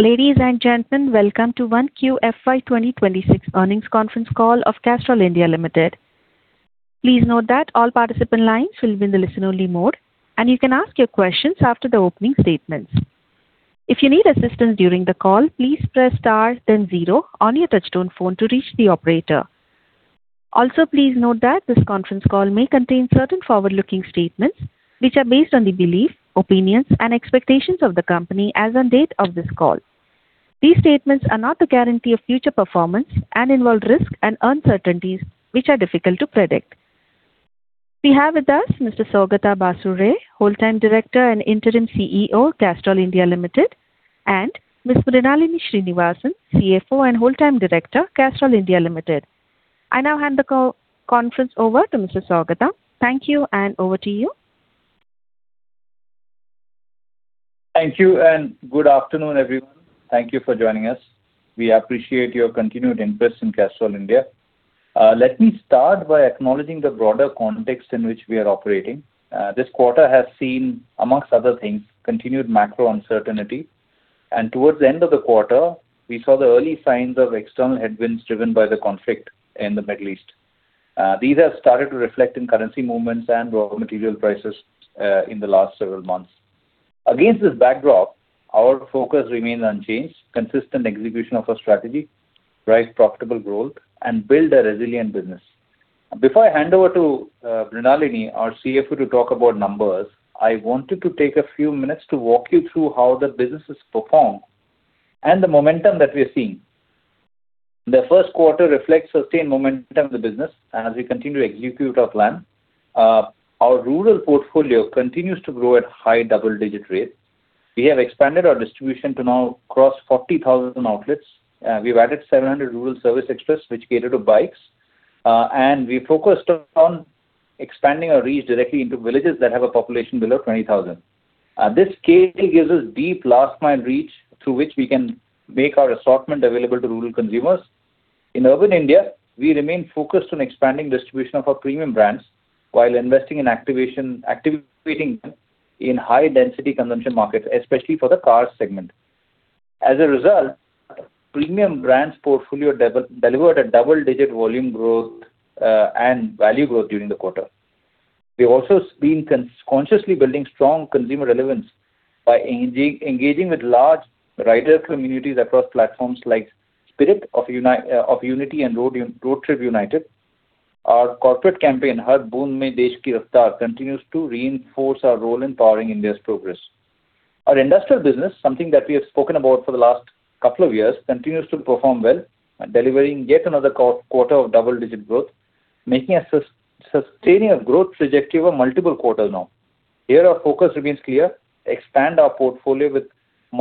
Ladies and gentlemen, welcome to 1Q FY 2026 earnings conference call of Castrol India Limited. Please note that all participant lines will be in the listen-only mode, and you can ask your questions after the opening statements. If you need assistance during the call, please press star then zero on your touchtone phone to reach the operator. Also, please note that this conference call may contain certain forward-looking statements which are based on the belief, opinions and expectations of the company as on date of this call. These statements are not a guarantee of future performance and involve risks and uncertainties which are difficult to predict. We have with us Mr. Saugata Basuray, Whole-time Director and Interim CEO, Castrol India Limited, and Ms. Mrinalini Srinivasan, CFO and Whole-time Director, Castrol India Limited. I now hand the conference over to Mr. Saugata. Thank you and over to you. Thank you and good afternoon, everyone. Thank you for joining us. We appreciate your continued interest in Castrol India. Let me start by acknowledging the broader context in which we are operating. This quarter has seen, amongst other things, continued macro uncertainty. Towards the end of the quarter, we saw the early signs of external headwinds driven by the conflict in the Middle East. These have started to reflect in currency movements and raw material prices in the last several months. Against this backdrop, our focus remains unchanged, consistent execution of our strategy, drive profitable growth, and build a resilient business. Before I hand over to Mrinalini, our CFO, to talk about numbers, I wanted to take a few minutes to walk you through how the business has performed and the momentum that we're seeing. The first quarter reflects sustained momentum of the business as we continue to execute our plan. Our rural portfolio continues to grow at high double-digit rate. We have expanded our distribution to now across 40,000 outlets. We've added 700 Rural Service Express which cater to bikes. We focused on expanding our reach directly into villages that have a population below 20,000. This case gives us deep last mile reach through which we can make our assortment available to rural consumers. In urban India, we remain focused on expanding distribution of our premium brands while investing in activating them in high density consumption markets, especially for the car segment. As a result, premium brands portfolio delivered a double-digit volume growth and value growth during the quarter. We've also been consciously building strong consumer relevance by engaging with large rider communities across platforms like Spirit of Unity and Road Trip United. Our corporate campaign, "Har Boond Mein Desh Ki Raftar," continues to reinforce our role in powering India's progress. Our industrial business, something that we have spoken about for the last couple of years, continues to perform well, delivering yet another quarter of double-digit growth, making us sustaining a growth trajectory for multiple quarters now. Here our focus remains clear: expand our portfolio with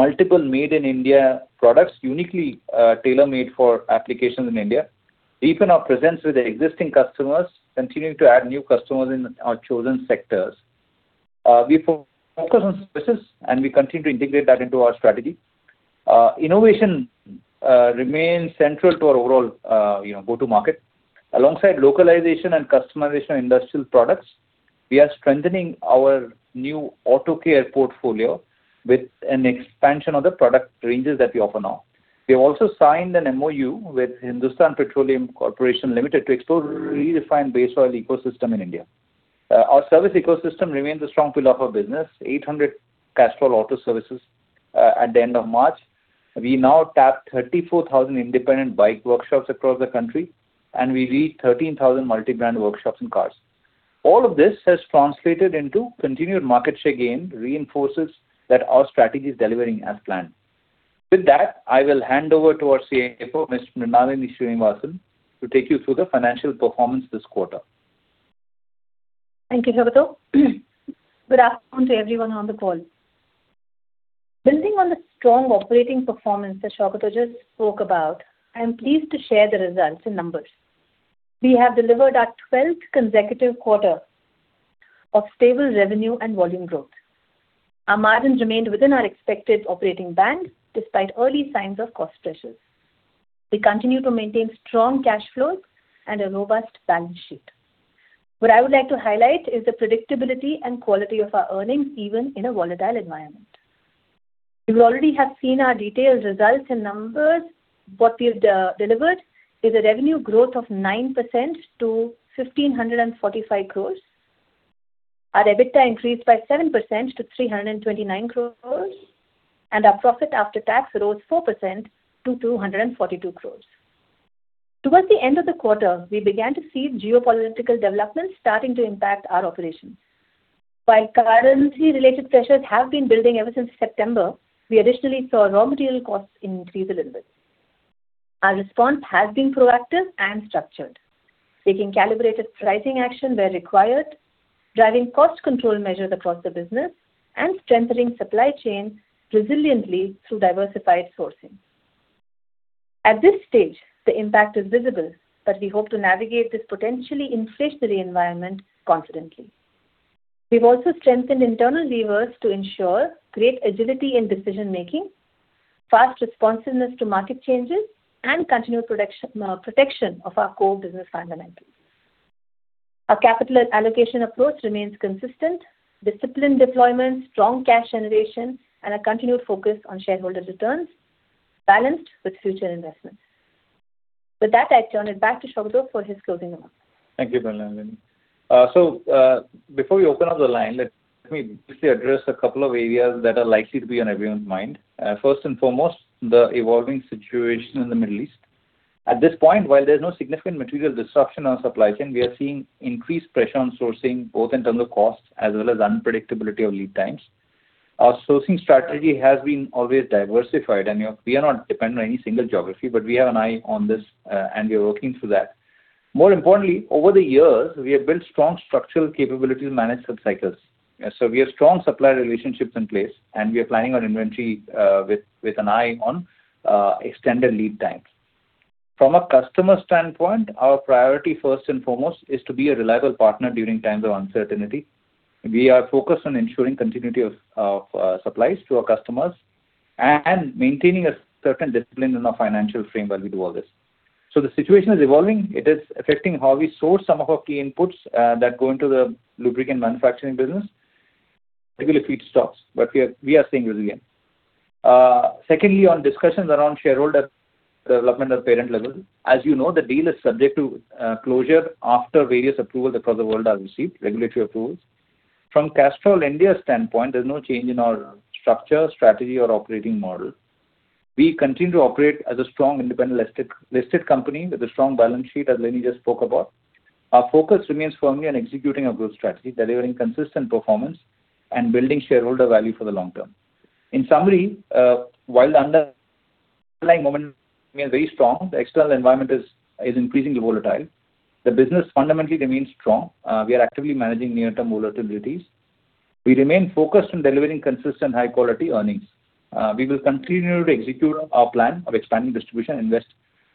multiple Made in India products uniquely tailor-made for applications in India, deepen our presence with existing customers, continuing to add new customers in our chosen sectors. We focus on services, and we continue to integrate that into our strategy. Innovation remains central to our overall, you know, go-to market. Alongside localization and customization of industrial products, we are strengthening our new auto care portfolio with an expansion of the product ranges that we offer now. We have also signed an MOU with Hindustan Petroleum Corporation Limited to explore redefined base oil ecosystem in India. Our service ecosystem remains a strong pillar of our business. 800 Castrol Auto Service at the end of March. We now tap 34,000 independent bike workshops across the country, and we reach 13,000 multi-brand workshops in cars. All of this has translated into continued market share gain, reinforces that our strategy is delivering as planned. With that, I will hand over to our CFO, Ms. Mrinalini Srinivasan, to take you through the financial performance this quarter. Thank you, Saugata. Good afternoon to everyone on the call. Building on the strong operating performance that Saugata just spoke about, I am pleased to share the results in numbers. We have delivered our 12th consecutive quarter of stable revenue and volume growth. Our margins remained within our expected operating band despite early signs of cost pressures. We continue to maintain strong cash flows and a robust balance sheet. I would like to highlight the predictability and quality of our earnings, even in a volatile environment. You already have seen our detailed results and numbers. We've delivered a revenue growth of 9% to 1,545 crores. Our EBITDA increased by 7% to 329 crores, and our profit after tax rose 4% to 242 crores. Towards the end of the quarter, we began to see geopolitical developments starting to impact our operations. While currency-related pressures have been building ever since September, we additionally saw raw material costs increase a little bit. Our response has been proactive and structured, taking calibrated pricing action where required, driving cost control measures across the business, and strengthening supply chain resiliently through diversified sourcing. At this stage, the impact is visible, but we hope to navigate this potentially inflationary environment confidently. We've also strengthened internal levers to ensure great agility in decision-making, fast responsiveness to market changes, and continued protection of our core business fundamentals. Our capital allocation approach remains consistent, disciplined deployment, strong cash generation, and a continued focus on shareholder returns balanced with future investments. With that, I turn it back to Saugata for his closing remarks. Thank you, Mrinalini. Before we open up the line, let me briefly address a couple of areas that are likely to be on everyone's mind. First and foremost, the evolving situation in the Middle East. At this point, while there's no significant material disruption on supply chain, we are seeing increased pressure on sourcing, both in terms of costs as well as unpredictability of lead times. Our sourcing strategy has been always diversified, and we are not dependent on any single geography, but we have an eye on this, and we are working through that. More importantly, over the years, we have built strong structural capability to manage such cycles. We have strong supplier relationships in place, and we are planning our inventory with an eye on extended lead times. From a customer standpoint, our priority first and foremost is to be a reliable partner during times of uncertainty. We are focused on ensuring continuity of supplies to our customers and maintaining a certain discipline in our financial frame while we do all this. The situation is evolving. It is affecting how we source some of our key inputs that go into the lubricant manufacturing business, particularly Feedstock, but we are seeing resilient. Secondly, on discussions around shareholder development at parent level. As you know, the deal is subject to closure after various approvals across the world are received, regulatory approvals. From Castrol India standpoint, there is no change in our structure, strategy, or operating model. We continue to operate as a strong independent listed company with a strong balance sheet, as Lini just spoke about. Our focus remains firmly on executing our growth strategy, delivering consistent performance, and building shareholder value for the long term. In summary, while the underlying momentum is very strong, the external environment is increasingly volatile. The business fundamentally remains strong. We are actively managing near-term vulnerabilities. We remain focused on delivering consistent high-quality earnings. We will continue to execute our plan of expanding distribution, invest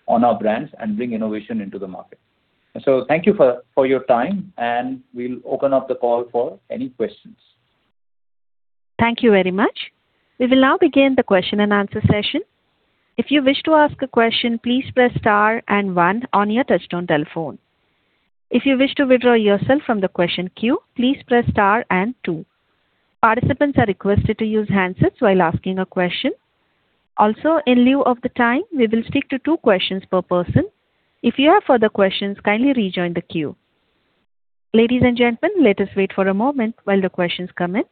on our brands, and bring innovation into the market. Thank you for your time, and we'll open up the call for any questions. Thank you very much. We will now begin the question-and-answer session. If you wish to ask a question, please star and one on your touchtone telephone. If you wish to withdraw yourself from the question queue, please press star and two. Participants are requested to use handsets while asking a question. Also, in lieu of the time, we will stick to two questions per person. If you have further questions, kindly rejoin the queue. Ladies and gentlemen, let us wait for a moment while the questions come in.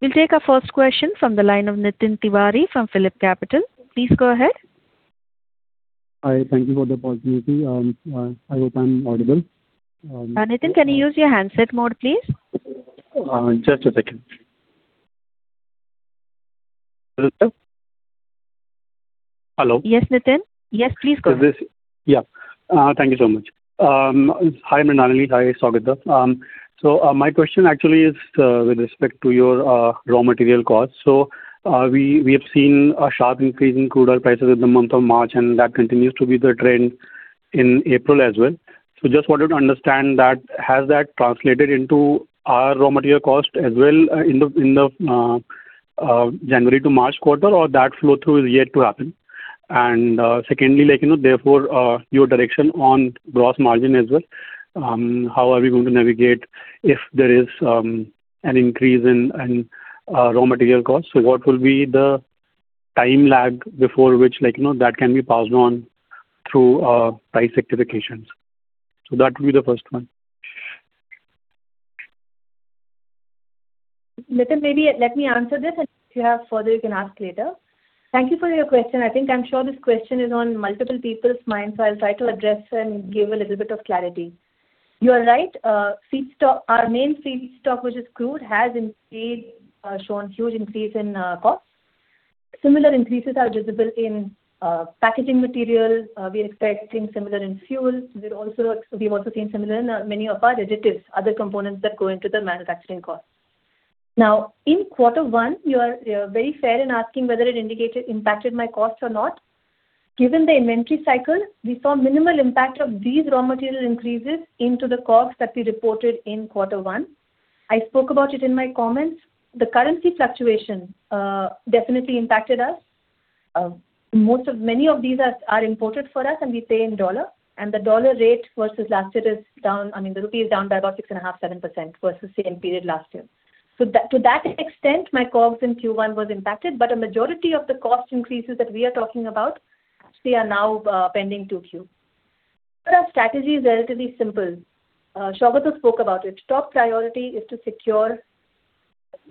We'll take our first question from the line of Nitin Tiwari from PhillipCapital. Please go ahead. Hi. Thank you for the opportunity. I hope I'm audible. Nitin, can you use your handset mode, please? Just a second. Hello? Hello. Yes, Nitin. Yes, please go ahead. Is this... Yeah. Thank you so much. Hi, Mrinalini. Hi, Saugata. My question actually is with respect to your raw material costs. We have seen a sharp increase in crude oil prices in the month of March, and that continues to be the trend in April as well. Just wanted to understand that has that translated into our raw material cost as well in the January to March quarter, or that flow-through is yet to happen? Secondly, like, you know, therefore, your direction on gross margin as well, how are we going to navigate if there is an increase in raw material costs? What will be the time lag before which like, you know, that can be passed on through price certifications? That will be the first one. Nitin, maybe let me answer this. If you have further, you can ask later. Thank you for your question. I think I'm sure this question is on multiple people's minds, so I'll try to address and give a little bit of clarity. You are right. Feedstock, our main feedstock, which is crude, has indeed shown huge increase in cost. Similar increases are visible in packaging material. We're expecting similar in fuel. We've also seen similar in many of our additives, other components that go into the manufacturing cost. Now, in quarter one, you are very fair in asking whether it indicated impacted my cost or not. Given the inventory cycle, we saw minimal impact of these raw material increases into the costs that we reported in quarter one. I spoke about it in my comments. The currency fluctuation definitely impacted us. Many of these are imported for us, and we pay in dollar. The dollar rate versus last year is down. I mean, the rupee is down by about 6.5%, 7% versus same period last year. To that extent, my costs in Q1 was impacted, but a majority of the cost increases that we are talking about actually are now pending 2Q. Our strategy is relatively simple. Saugata spoke about it. Top priority is to secure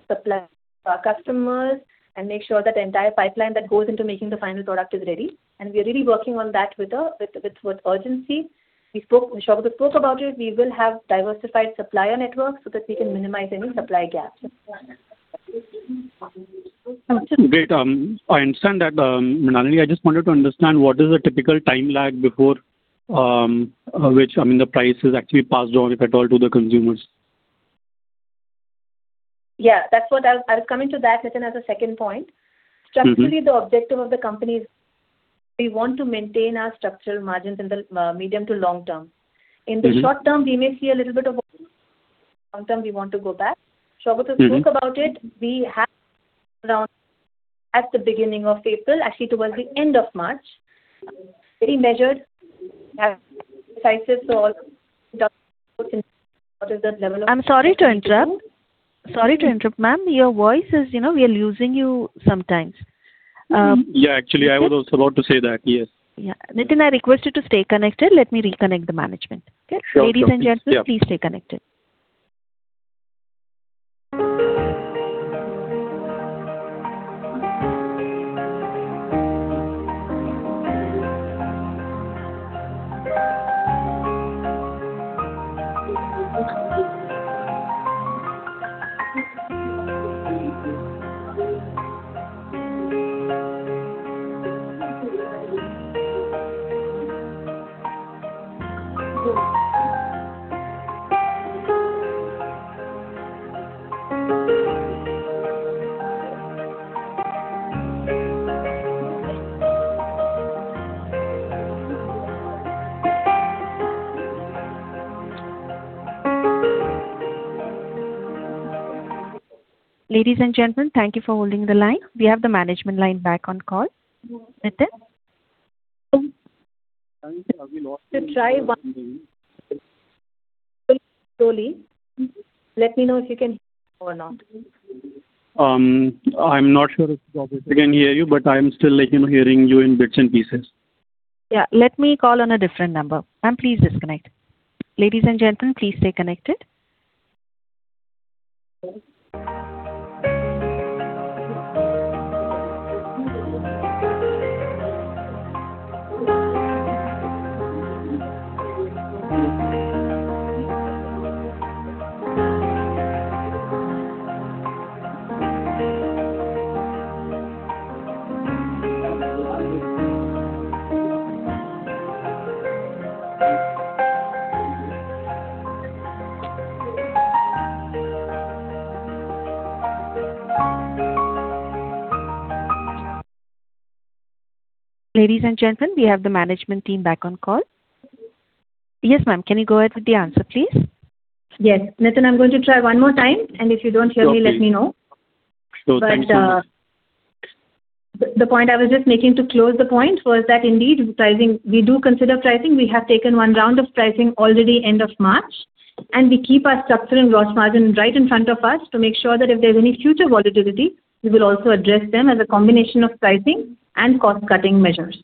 supply to our customers and make sure that the entire pipeline that goes into making the final product is ready, and we are really working on that with urgency. We spoke. Saugata spoke about it. We will have diversified supplier network so that we can minimize any supply gaps. Great. I understand that Mrinalini. I just wanted to understand what is the typical time lag before which, I mean, the price is actually passed on, if at all, to the consumers? Yeah. That's what I'll come into that, Nitin, as a second point. Mm-hmm. Strategically, the objective of the company is we want to maintain our structural margins in the medium to long term. Mm-hmm. In the short term, we may see a little bit of. Long term, we want to go back. Saugata spoke about it. We have around. At the beginning of April, actually towards the end of March, we measured decisive. I'm sorry to interrupt. Ma'am, your voice is, you know, we are losing you sometimes. Yeah, actually, I was about to say that. Yes. Yeah. Nitin, I request you to stay connected. Let me reconnect the management. Okay? Sure, sure. Ladies and gentlemen, Yeah. Please stay connected. Ladies and gentlemen, thank you for holding the line. We have the management line back on call. Nitin. Try one slowly. Let me know if you can hear me or not. I'm not sure if Saugata can hear you, but I'm still, like you know, hearing you in bits and pieces. Yeah, let me call on a different number. Ma'am, please disconnect. Ladies and gentlemen, please stay connected. Ladies and gentlemen, we have the management team back on call. Yes, ma'am, can you go ahead with the answer, please? Yes. Nitin, I'm going to try one more time, and if you don't hear me. Sure, please. Let me know. No, thanks so much. The point I was just making to close the point was that indeed pricing. We do consider pricing. We have taken one round of pricing already end of March, and we keep our structural gross margin right in front of us to make sure that if there's any future volatility, we will also address them as a combination of pricing and cost-cutting measures.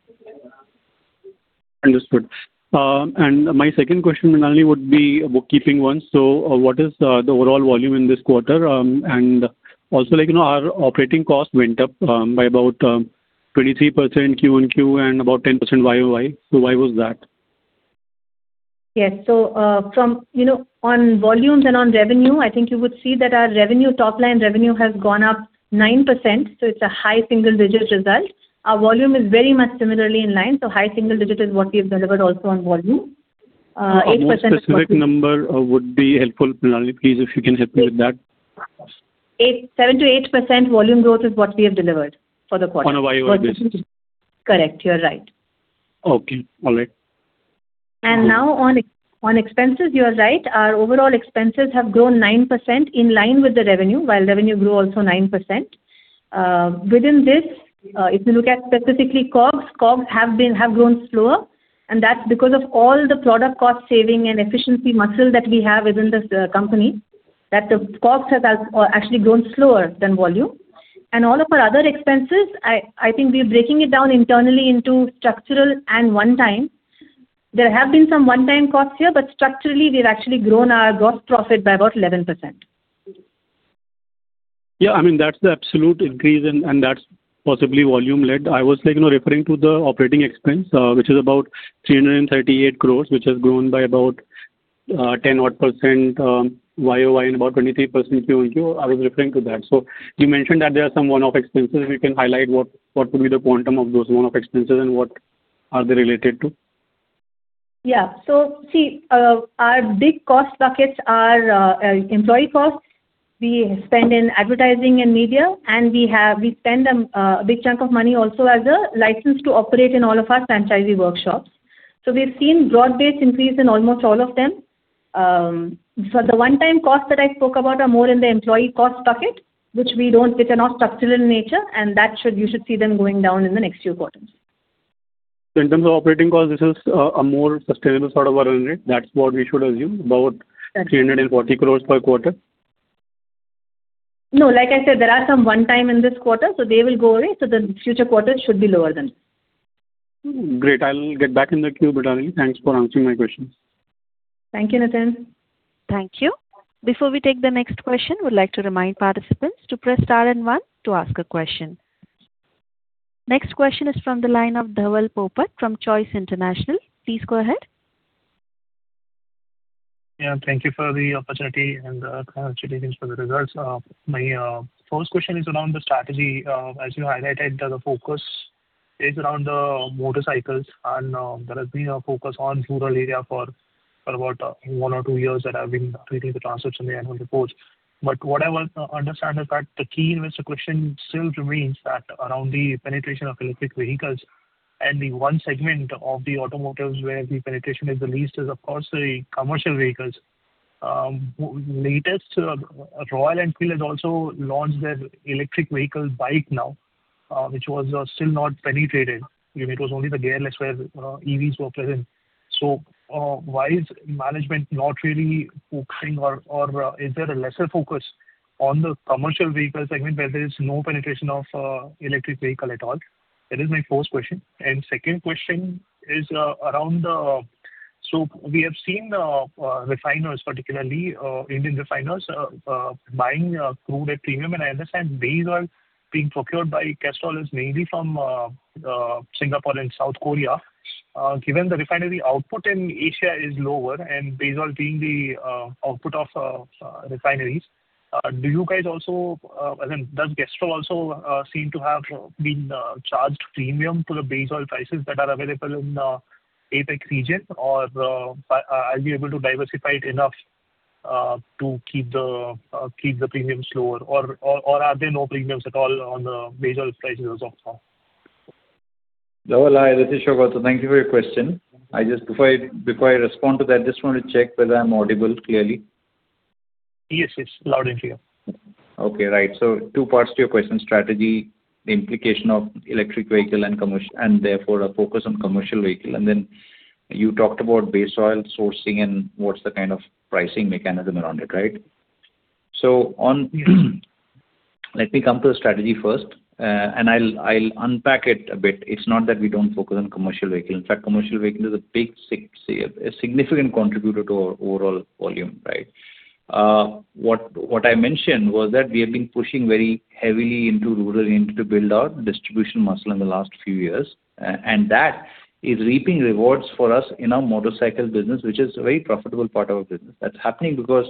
Understood. My second question, Mrinalini, would be a bookkeeping one. What is the overall volume in this quarter? Also, like, you know, our operating costs went up by about 23% QoQ and about 10% YoY. Why was that? Yes. From, you know, on volumes and on revenue, I think you would see that our revenue, top line revenue, has gone up 9%, so it's a high single-digit result. Our volume is very much similarly in line, so high single digit is what we have delivered also on volume. 8%. A more specific number would be helpful, Mrinalini. Please, if you can help me with that. 7%-8% volume growth is what we have delivered for the quarter. On a YoY basis. Correct. You're right. Okay. All right. Now on expenses, you are right. Our overall expenses have grown 9% in line with the revenue, while revenue grew also 9%. Within this, if you look at specifically COGS have grown slower, and that's because of all the product cost saving and efficiency muscle that we have within this company, that the COGS has actually grown slower than volume. All of our other expenses, I think we're breaking it down internally into structural and one-time. There have been some one-time costs here, but structurally, we've actually grown our gross profit by about 11%. I mean, that's the absolute increase and that's possibly volume led. I was, you know, referring to the operating expense, which is about 338 crores, which has grown by about 10% odd YoY and about 23% QoQ. I was referring to that. You mentioned that there are some one-off expenses. If you can highlight what would be the quantum of those one-off expenses and what are they related to? Yeah. See, our big cost buckets are employee costs we spend in advertising and media, and we spend a big chunk of money also as a license to operate in all of our franchisee workshops. We've seen broad-based increase in almost all of them. The one-time costs that I spoke about are more in the employee cost bucket. They're not structural in nature, and that should, you should see them going down in the next few quarters. In terms of operating costs, this is a more sustainable sort of a run rate. That's what we should assume. Correct. 340 crores per quarter. No, like I said, there are some one-time in this quarter, so they will go away, so the future quarters should be lower than this. Great. I'll get back in the queue. Mrinalini, thanks for answering my questions. Thank you, Nitin. Thank you. Before we take the next question, would like to remind participants to press star one to ask a question. Next question is from the line of Dhaval Popat from Choice International. Please go ahead. Yeah, thank you for the opportunity and congratulations for the results. My first question is around the strategy. As you highlighted, the focus is around the motorcycles and there has been a focus on rural area for about one or two years that I've been reading the transcripts and the annual reports. What I want understand is that the key investor question still remains that around the penetration of electric vehicles. The one segment of the automotives where the penetration is the least is, of course, the commercial vehicles. Latest, Royal Enfield has also launched their electric vehicle bike now, which was still not penetrated. You know, it was only the gearless where EVs were present. Why is management not really focusing or is there a lesser focus on the commercial vehicle segment where there is no penetration of electric vehicle at all? That is my first question. Second question is, we have seen refiners, particularly Indian refiners, buying crude at premium, and I understand base oil being procured by Castrol is mainly from Singapore and South Korea. Given the refinery output in Asia is lower and base oil being the output of refineries, I mean, does Castrol also seem to have been charged premium to the base oil prices that are available in APAC region? Or are you able to diversify it enough to keep the premiums lower? Are there no premiums at all on the Base oil prices as of now? Dhaval, hi. This is Saugata. Thank you for your question. I just, before I respond to that, just want to check whether I'm audible clearly. Yes, yes. Loud and clear. Okay, right. Two parts to your question: strategy, the implication of electric vehicle and therefore a focus on commercial vehicle. Then you talked about base oil sourcing and what's the kind of pricing mechanism around it, right? On. Let me come to the strategy first. I'll unpack it a bit. It's not that we don't focus on commercial vehicles. In fact, commercial vehicles is a big significant contributor to our overall volume, right? What I mentioned was that we have been pushing very heavily into rural areas to build our distribution muscle in the last few years. That is reaping rewards for us in our motorcycle business, which is a very profitable part of our business. That's happening because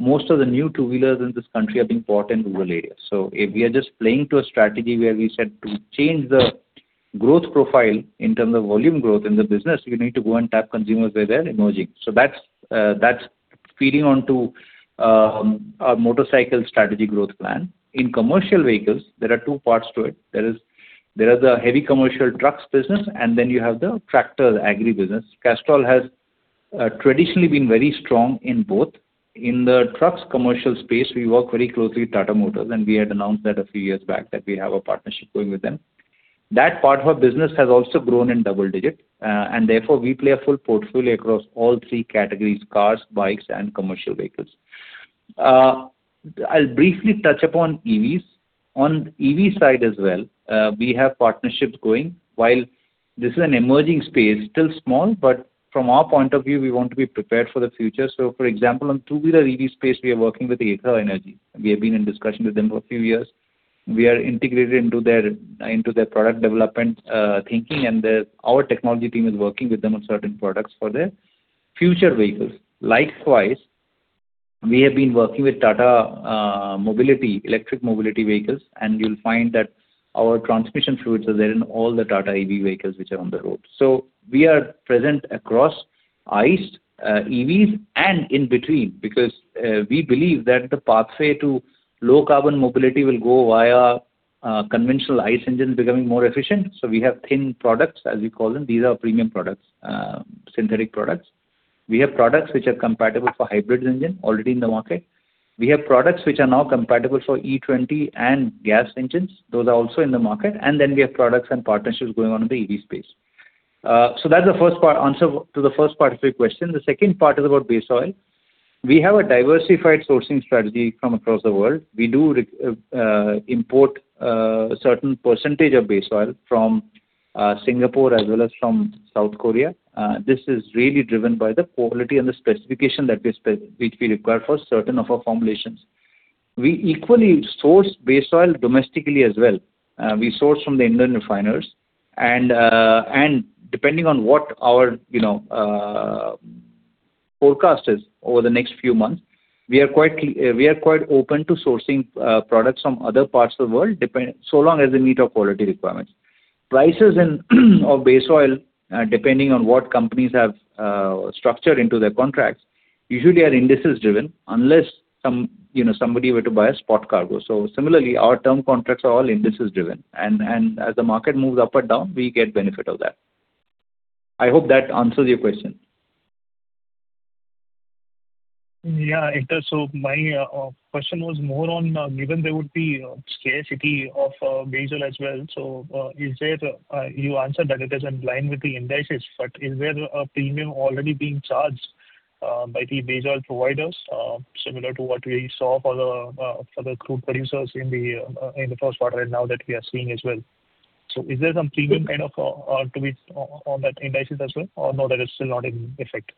most of the new two-wheelers in this country are being bought in rural areas. If we are just playing to a strategy where we said to change the growth profile in terms of volume growth in the business, we need to go and tap consumers where they're emerging. That's feeding onto our motorcycle strategy growth plan. In commercial vehicles, there are two parts to it. There is the heavy commercial trucks business, and then you have the tractor agri business. Castrol has traditionally been very strong in both. In the trucks commercial space, we work very closely with Tata Motors, and we had announced that a few years back that we have a partnership going with them. That part of our business has also grown in double digit. Therefore, we play a full portfolio across all three categories: cars, bikes, and commercial vehicles. I'll briefly touch upon EVs. On EV side as well, we have partnerships going. While this is an emerging space, still small, but from our point of view, we want to be prepared for the future. For example, on two-wheeler EV space, we are working with Ather Energy. We have been in discussion with them for a few years. We are integrated into their product development thinking, and our technology team is working with them on certain products for their future vehicles. Likewise, we have been working with Tata mobility, electric mobility vehicles, and you'll find that our transmission fluids are there in all the Tata EV vehicles which are on the road. We are present across ICE, EVs, and in between because we believe that the pathway to low carbon mobility will go via conventional ICE engines becoming more efficient. We have thin products, as we call them. These are premium products, synthetic products. We have products which are compatible for hybrid engine already in the market. We have products which are now compatible for E20 and gas engines. Those are also in the market. We have products and partnerships going on in the EV space. That's the first part, answer to the first part of your question. The second part is about base oil. We have diversified sourcing strategy from across the world. We do import a certain percentage of base oil from Singapore as well as from South Korea. This is really driven by the quality and the specification that we which we require for certain of our formulations. We equally source base oil domestically as well. We source from the Indian refiners. Depending on what our, you know, forecast is over the next few months, we are quite open to sourcing products from other parts of the world so long as they meet our quality requirements. Prices in of base oil, depending on what companies have structured into their contracts, usually are indices driven unless some, you know, somebody were to buy a spot cargo. Similarly, our term contracts are all indices driven. As the market moves up or down, we get benefit of that. I hope that answers your question. Yeah, it does. My question was more on given there would be scarcity of base oil as well, you answered that it is in line with the indices, but is there a premium already being charged by the base oil providers similar to what we saw for the crude producers in the first quarter and now that we are seeing as well? Is there some premium kind of to be on that indices as well, or no, that is still not in effect?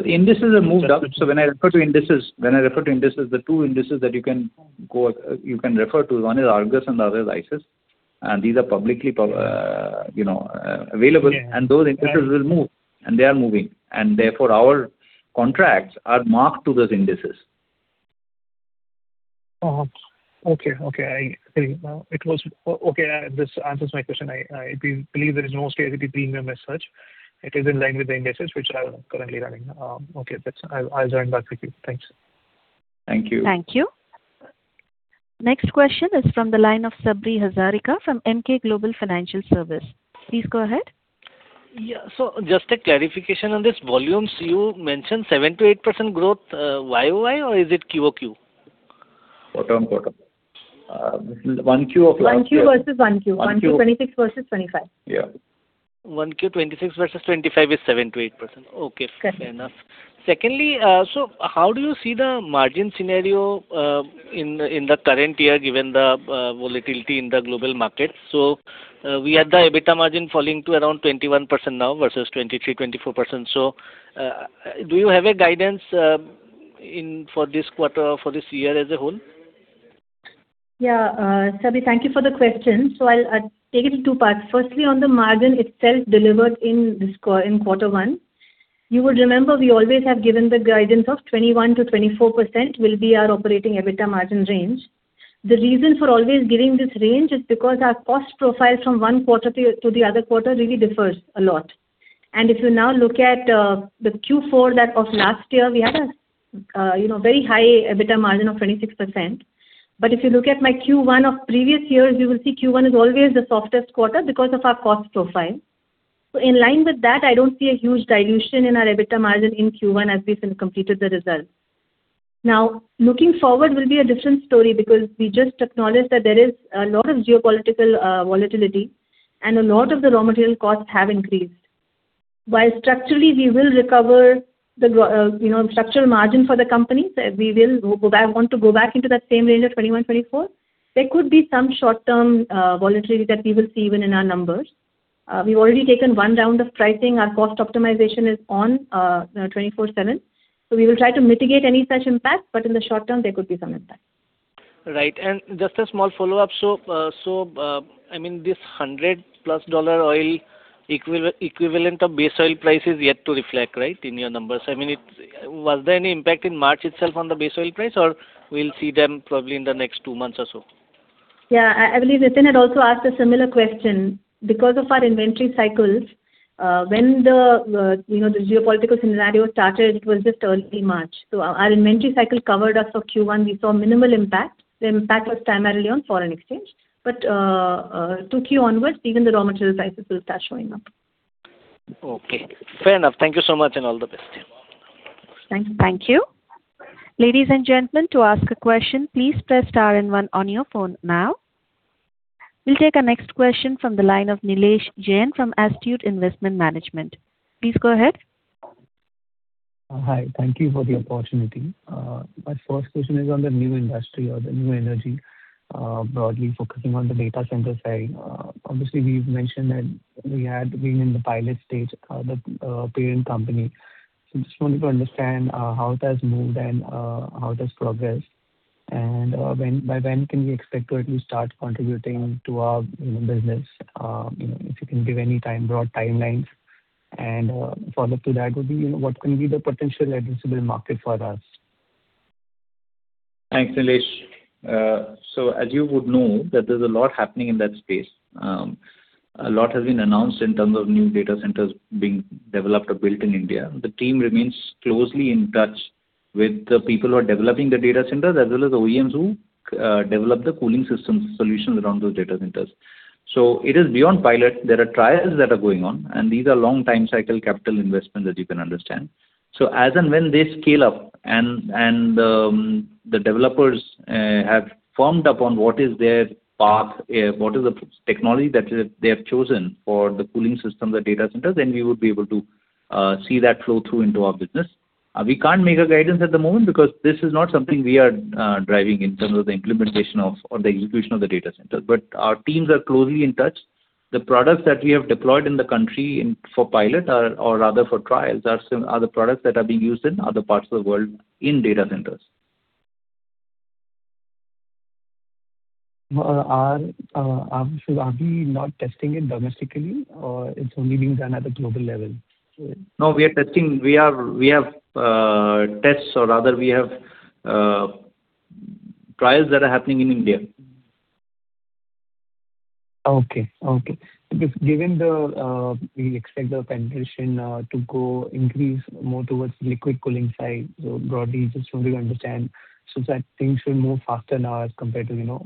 Indices have moved up. When I refer to indices, the two indices that you can go, you can refer to, one is Argus and the other is ICIS. These are publicly, you know, available. Yeah. Those indices will move, and they are moving, and therefore our contracts are marked to those indices. Okay. Okay. Okay. I agree. It was. Okay. This answers my question. I believe there is no scarcity premium as such. It is in line with the indices which are currently running. Okay. That's. I'll join back with you. Thanks. Thank you. Thank you. Next question is from the line of Sabri Hazarika from Emkay Global Financial Services. Please go ahead. Yeah. Just a clarification on these volumes, you mentioned 7%-8% growth, YoY or is it QoQ? Quarter-on-quarter. 1Q of last year. 1Q versus 1Q. 1Q. 1Q 2026 versus 2025. Yeah. 1Q 2026 versus 2025 is 7%-8%. Okay. Correct. Fair enough. Secondly, how do you see the margin scenario in the current year given the volatility in the global market? We had the EBITDA margin falling to around 21% now versus 23%-24%. Do you have a guidance for this quarter, for this year as a whole? Sabri, thank you for the question. I'll take it in two parts. Firstly, on the margin itself delivered in this quarter in quarter one, you would remember we always have given the guidance of 21%-24% will be our operating EBITDA margin range. The reason for always giving this range is because our cost profile from one quarter to the other quarter really differs a lot. If you now look at the Q4 that of last year, we had a, you know, very high EBITDA margin of 26%. If you look at my Q1 of previous years, you will see Q1 is always the softest quarter because of our cost profile. In line with that, I don't see a huge dilution in our EBITDA margin in Q1 as we've completed the results. Looking forward will be a different story because we just acknowledged that there is a lot of geopolitical volatility and a lot of the raw material costs have increased. While structurally we will recover you know, structural margin for the company, we want to go back into that same range of 21-24. There could be some short-term volatility that we will see even in our numbers. We've already taken one round of pricing. Our cost optimization is on, you know, 24/7. We will try to mitigate any such impact, but in the short term there could be some impact. Right. Just a small follow-up. I mean, this $100+ oil equivalent of base oil price is yet to reflect, right, in your numbers? I mean, was there any impact in March itself on the base oil price, or we'll see them probably in the next two months or so? Yeah. I believe Nitin had also asked a similar question. Because of our inventory cycles, when the, you know, the geopolitical scenario started, it was just early March. Our inventory cycle covered us for Q1. We saw minimal impact. The impact was primarily on foreign exchange. But 2Q onwards, even the raw material prices will start showing up. Okay. Fair enough. Thank you so much, and all the best. Thank you. Ladies and gentlemen, to ask a question, please press star and one on your phone now. We'll take our next question from the line of Nilesh Jain from Astute Investment Management. Please go ahead. Hi. Thank you for the opportunity. My first question is on the new industry or the new energy, broadly focusing on the data center side. Obviously, we've mentioned that we had been in the pilot stage, the parent company. Just wanted to understand how it has moved and how it has progressed, and by when can we expect to at least start contributing to our, you know, business. You know, if you can give any time, broad timelines. Follow-up to that would be, you know, what can be the potential addressable market for us? Thanks Nilesh. As you would know that there's a lot happening in that space. A lot has been announced in terms of new data centers being developed or built in India. The team remains closely in touch with the people who are developing the data centers as well as OEMs who develop the cooling systems solutions around those data centers. It is beyond pilot. There are trials that are going on, and these are long time cycle capital investments, as you can understand. As and when they scale up and the developers have firmed up on what is their path, what is the technology that they have chosen for the cooling system, the data centers, then we would be able to see that flow through into our business. We can't make a guidance at the moment because this is not something we are driving in terms of the implementation of or the execution of the data centers. Our teams are closely in touch. The products that we have deployed in the country for pilot or rather for trials are the products that are being used in other parts of the world in data centers. Are we not testing it domestically, or it's only being done at a global level? No, we are testing. We have tests or rather we have trials that are happening in India. Okay. Okay. Given the, we expect the penetration to go increase more towards liquid cooling side. Broadly just wanted to understand that things will move faster now as compared to, you know,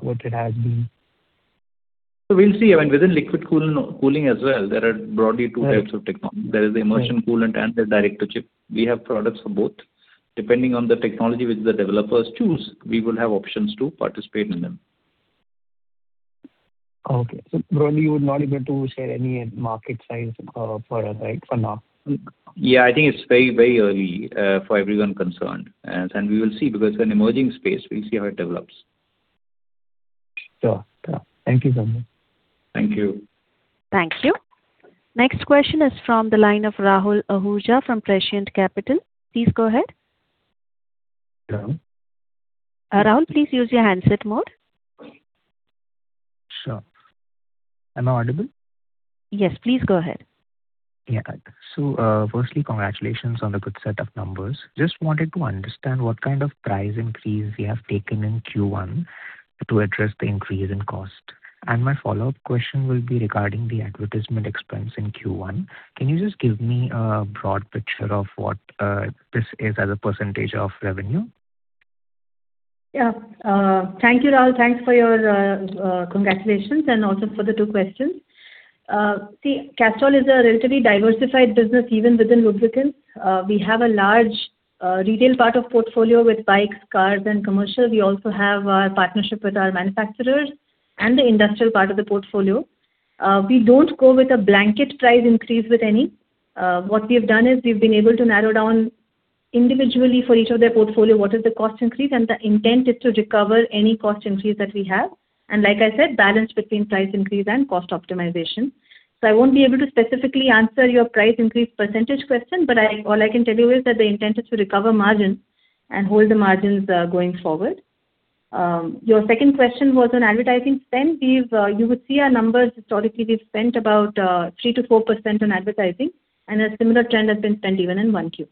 what it has been. We'll see. I mean, within liquid cooling as well, there are broadly two types of technology. Right. There is the Immersion cooling and the Direct-to-chip. We have products for both. Depending on the technology which the developers choose, we will have options to participate in them. Okay. Broadly, you would not be able to share any market size for us, right, for now? Yeah, I think it's very, very early for everyone concerned. We will see because it's an emerging space, we'll see how it develops. Sure. Sure. Thank you so much. Thank you. Thank you. Next question is from the line of Rahul Ahuja from Prescient Capital. Please go ahead. Rahul? Rahul, please use your handset mode. Sure. Am I audible? Yes. Please go ahead. Firstly, congratulations on the good set of numbers. Just wanted to understand what kind of price increase you have taken in Q1 to address the increase in cost. My follow-up question will be regarding the advertisement expense in Q1. Can you just give me a broad picture of what this is as a percentage of revenue? Yeah. Thank you, Rahul. Thanks for your congratulations and also for the two questions. Castrol is a relatively diversified business even within lubricants. We have a large retail part of portfolio with bikes, cars and commercial. We also have our partnership with our manufacturers and the industrial part of the portfolio. We don't go with a blanket price increase with any. What we have done is we've been able to narrow down individually for each of their portfolio what is the cost increase, the intent is to recover any cost increase that we have. Like I said, balance between price increase and cost optimization. I won't be able to specifically answer your price increase percentage question, but all I can tell you is that the intent is to recover margin and hold the margins going forward. Your second question was on advertising spend. We've, you would see our numbers historically, we've spent about 3%-4% on advertising, and a similar trend has been spent even in 1Q.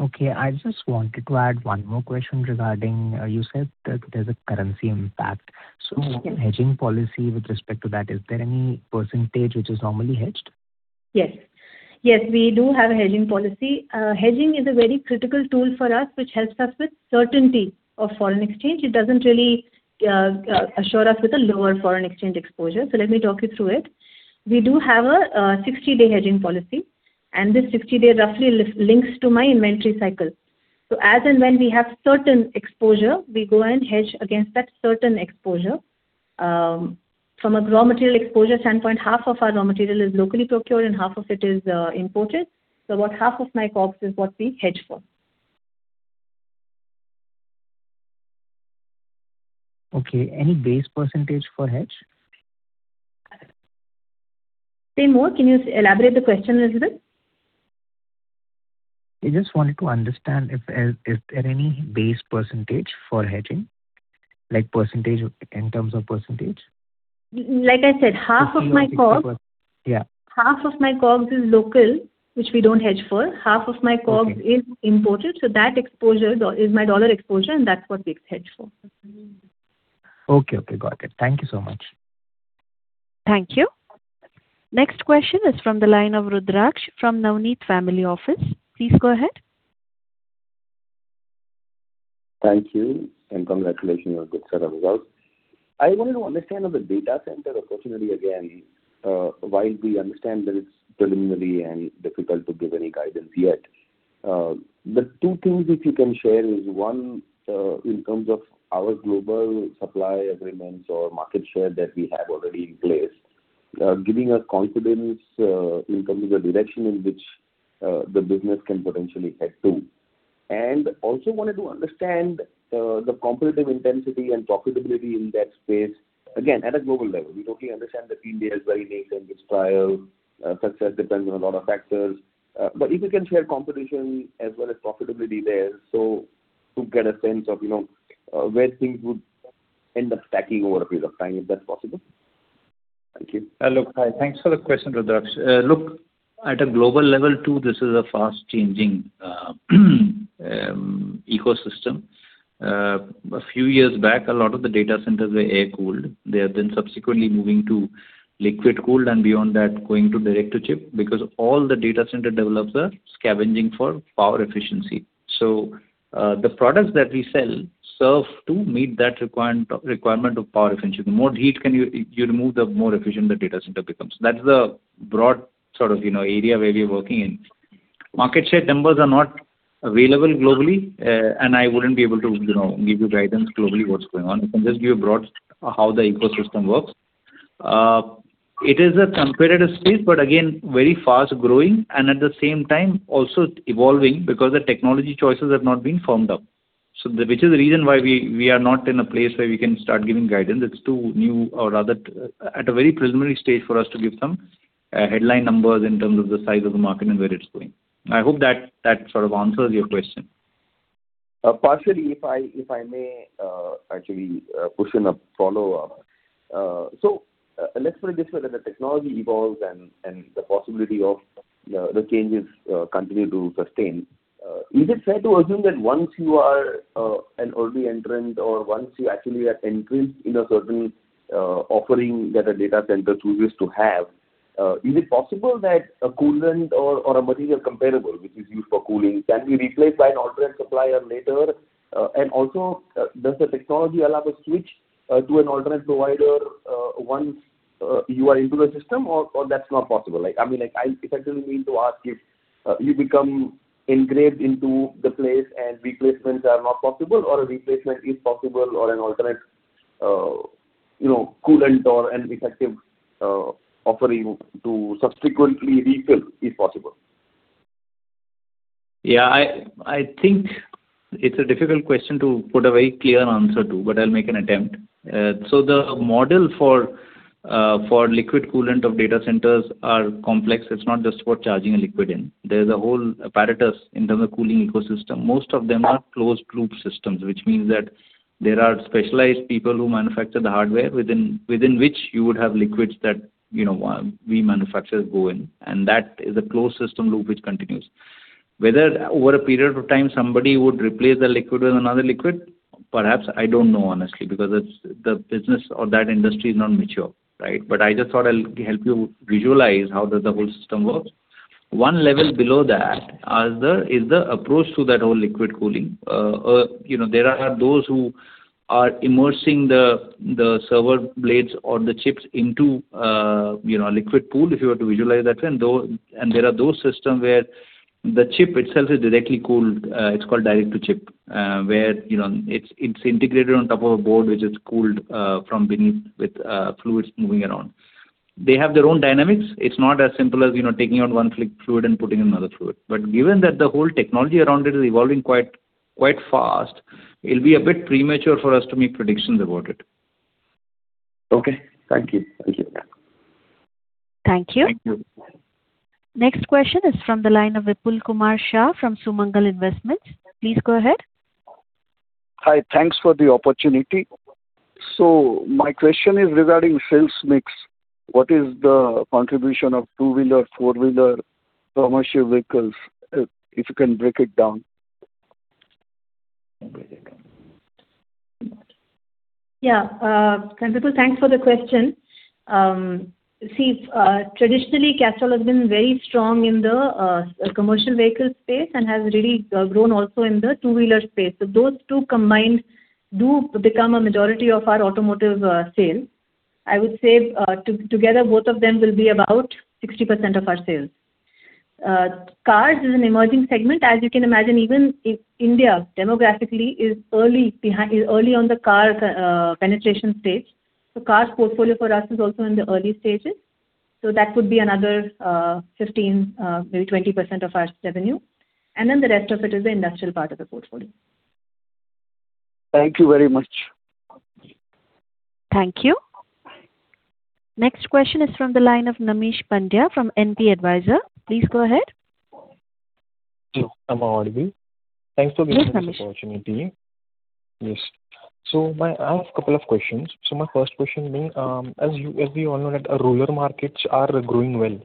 Okay. I just wanted to add one more question regarding, you said that there's a currency impact. Yes. Hedging policy with respect to that, is there any percentage which is normally hedged? Yes. Yes, we do have a hedging policy. Hedging is a very critical tool for us, which helps us with certainty of foreign exchange. It doesn't really assure us with a lower foreign exchange exposure. Let me talk you through it. We do have a 60-day hedging policy, and this 60-day roughly links to my inventory cycle. As and when we have certain exposure, we go and hedge against that certain exposure. From a raw material exposure standpoint, half of our raw material is locally procured and half of it is imported. About half of my COGS is what we hedge for. Okay. Any base % for hedge? Say more. Can you elaborate the question a little bit? I just wanted to understand if, is there any base percentage for hedging, like in terms of percentage? Like I said, half of my COGS. Yeah. Half of my COGS is local, which we don't hedge for. Okay. Is imported, so that exposure is my dollar exposure, and that's what we hedge for. Okay. Okay. Got it. Thank you so much. Thank you. Next question is from the line of Rudraksh from Navneet Family Office. Please go ahead. Thank you, and congratulations on a good set of results. I wanted to understand on the data center, unfortunately again, while we understand that it's preliminary and difficult to give any guidance yet, but two things if you can share is, one, in terms of our global supply agreements or market share that we have already in place, giving us confidence, in terms of the direction in which, the business can potentially head to and also, wanted to understand, the competitive intensity and profitability in that space, again, at a global level. We totally understand that India is very nascent, its trial, success depends on a lot of factors. If you can share competition as well as profitability there, so to get a sense of, you know, where things would end up stacking over a period of time, if that's possible? Thank you. Hi, thanks for the question, Rudraksh. At a global level too, this is a fast-changing ecosystem. A few years back, a lot of the data centers were air-cooled. They are subsequently moving to liquid-cooled, and beyond that, going to direct-to-chip, because all the data center developers scavenging for power efficiency. The products that we sell serve to meet that requirement of power efficiency. The more heat can you remove, the more efficient the data center becomes. That's the broad sort of, you know, area where we are working in. Market share numbers are not available globally, I wouldn't be able to, you know, give you guidance globally what's going on. I can just give you a broad how the ecosystem works. It is a competitive space, but again, very fast-growing and at the same time also evolving because the technology choices have not been firmed up. Which is the reason why we are not in a place where we can start giving guidance. It's too new or rather at a very preliminary stage for us to give some headline numbers in terms of the size of the market and where it's going. I hope that sort of answers your question. Partially, if I, if I may, actually, push in a follow-up. Let's put it this way, that the technology evolves and the possibility of the changes continue to sustain. Is it fair to assume that once you are an early entrant or once you actually are entrenched in a certain offering that a data center chooses to have, is it possible that a coolant or a material comparable which is used for cooling can be replaced by an alternate supplier later? Also, does the technology allow a switch to an alternate provider once you are into the system or that's not possible? Like, I mean, effectively mean to ask if you become engraved into the place and replacements are not possible, or a replacement is possible or an alternate, you know, coolant or an effective offering to subsequently refill is possible. Yeah, I think it's a difficult question to put a very clear answer to, I'll make an attempt. The model for liquid coolant of data centers are complex. It's not just about charging a liquid in. There's a whole apparatus in terms of cooling ecosystem. Most of them are closed-loop systems, which means that there are specialized people who manufacture the hardware within which you would have liquids that, you know, we manufacturers go in. That is a closed system loop which continues. Whether over a period of time somebody would replace the liquid with another liquid, perhaps I don't know, honestly, because it's the business or that industry is not mature, right? I just thought I'll help you visualize how does the whole system works. One level below that is the approach to that whole liquid cooling. You know, there are those who are immersing the server blades or the chips into, you know, a liquid pool, if you were to visualize that one, though. There are those system where the chip itself is directly cooled, it's called Direct-to-chip, where, you know, it's integrated on top of a board which is cooled from beneath with fluids moving around. They have their own dynamics. It's not as simple as, you know, taking out one fluid and putting another fluid. Given that the whole technology around it is evolving quite fast, it'll be a bit premature for us to make predictions about it. Okay. Thank you. Thank you. Thank you. Thank you. Next question is from the line of Vipulkumar Shah from Sumangal Investments. Please go ahead. Hi. Thanks for the opportunity. My question is regarding sales mix. What is the contribution of two-wheeler, four-wheeler commercial vehicles, if you can break it down. Can break it down. Vipul, thanks for the question. See, traditionally, Castrol has been very strong in the commercial vehicle space and has really grown also in the two-wheeler space. Those two combined do become a majority of our automotive sales. I would say, together, both of them will be about 60% of our sales. Cars is an emerging segment. As you can imagine, even India demographically is early on the car penetration stage. Cars portfolio for us is also in the early stages, that would be another 15%, maybe 20% of our revenue, and then the rest of it is the industrial part of the portfolio. Thank you very much. Thank you. Next question is from the line of Naimish Pandya from NP Advisors. Please go ahead. Hello. Am I audible. Thanks for giving us this opportunity. Yes, Naimish. Yes. I have a couple of questions. My first question being, as we all know that our rural markets are growing well.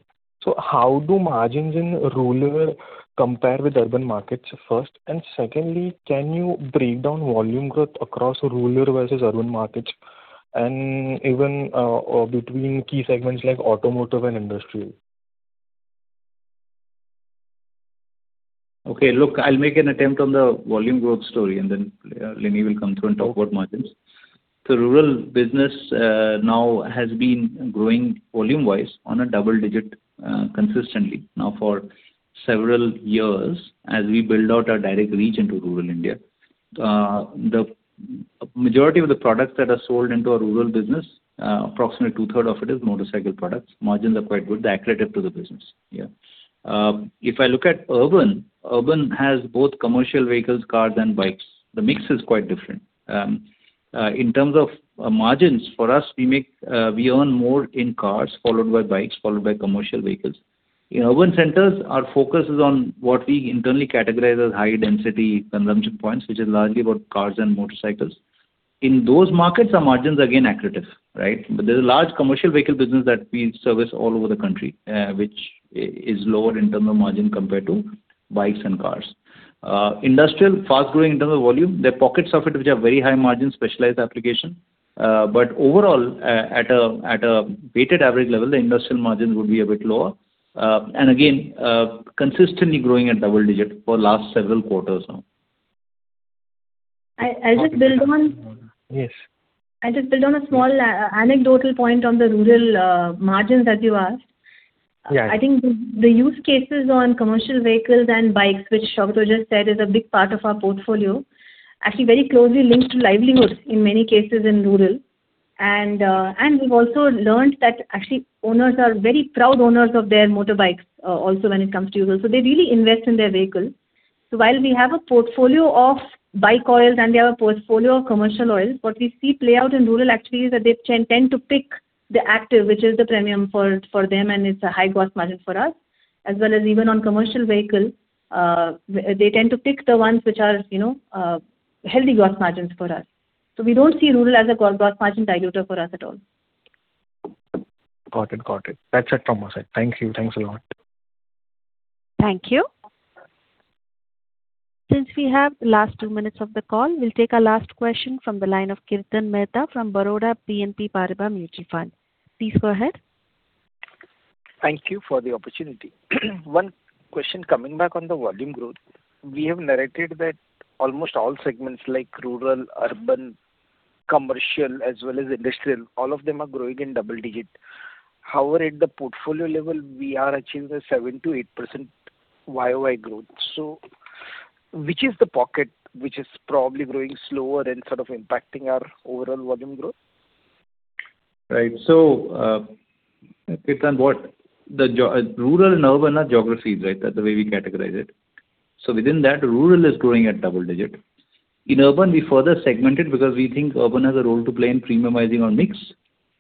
How do margins in rural compare with urban markets, first? Secondly, can you break down volume growth across rural versus urban markets and even between key segments like automotive and industrial? Okay, look, I'll make an attempt on the volume growth story, and then Lini will come through and talk about margins. The rural business now has been growing volume-wise on a double-digit consistently now for several years as we build out our direct reach into rural India. The majority of the products that are sold into our rural business, approximately two third of it is motorcycle products. Margins are quite good. They're accretive to the business. If I look at urban has both commercial vehicles, cars, and bikes. The mix is quite different. In terms of margins, for us, we make, we earn more in cars, followed by bikes, followed by commercial vehicles. In urban centers, our focus is on what we internally categorize as high density consumption points, which is largely about cars and motorcycles. In those markets, our margins are again accretive, right? There's a large commercial vehicle business that we service all over the country, which is lower in terms of margin compared to bikes and cars. Industrial, fast growing in terms of volume. There are pockets of it which are very high margin specialized application. Overall, at a weighted average level, the industrial margins would be a bit lower. Again, consistently growing at double-digit for last several quarters now. I'll just build. Yes. I'll just build on a small anecdotal point on the rural margins that you asked. Yeah. I think the use cases on commercial vehicles and bikes, which Saugata just said is a big part of our portfolio, actually very closely linked to livelihoods in many cases in rural. We've also learnt that actually owners are very proud owners of their motorbikes, also when it comes to rural. They really invest in their vehicles. While we have a portfolio of bike oils and we have a portfolio of commercial oils, what we see play out in rural actually is that they tend to pick the Castrol Activ, which is the premium for them, and it's a high gross margin for us. As well as even on commercial vehicles, they tend to pick the ones which are, you know, healthy gross margins for us. We don't see rural as a gross margin dilutor for us at all. Got it. That's it from our side. Thank you. Thanks a lot. Thank you. Since we have the last two minutes of the call, we'll take our last question from the line of Kirtan Mehta from Baroda BNP Paribas Mutual Fund. Please go ahead. Thank you for the opportunity. One question coming back on the volume growth. We have narrated that almost all segments like rural, urban, commercial, as well as industrial, all of them are growing in double-digit. However, at the portfolio level we are achieving a 7%-8% YoY growth. Which is the pocket which is probably growing slower and sort of impacting our overall volume growth? Right. Kirtan, what Rural and urban are geographies, right? That's the way we categorize it. Within that, rural is growing at double digit. In urban, we further segment it because we think urban has a role to play in premiumizing our mix.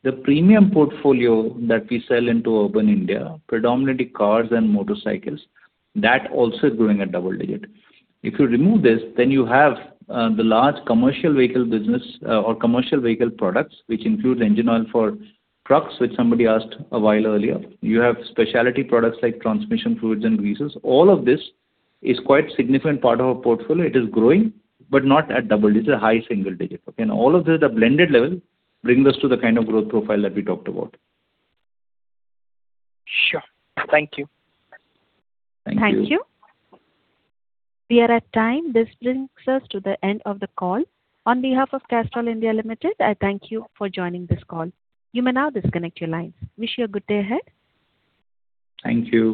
The premium portfolio that we sell into urban India, predominantly cars and motorcycles, that also is growing at double digit. If you remove this, then you have the large commercial vehicle business or commercial vehicle products, which includes engine oil for trucks, which somebody asked a while earlier. You have specialty products like transmission fluids and greases. All of this is quite significant part of our portfolio. It is growing, but not at double digit. A high single digit. All of this at a blended level brings us to the kind of growth profile that we talked about. Sure. Thank you. Thank you. Thank you. We are at time. This brings us to the end of the call. On behalf of Castrol India Limited, I thank you for joining this call. You may now disconnect your lines. Wish you a good day ahead. Thank you.